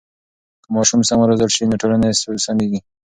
که ماشومان سم و روزل سي نو ټولنه سمیږي.